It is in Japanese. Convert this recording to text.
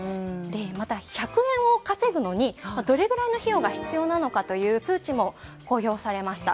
また１００円を稼ぐのにどれぐらいの費用が必要なのかという数値も公表されました。